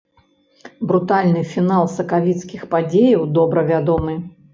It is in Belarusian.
Брутальны фінал сакавіцкіх падзеяў добра вядомы.